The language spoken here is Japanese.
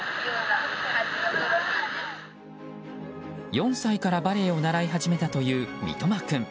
４歳からバレエを習い始めたという三笘君。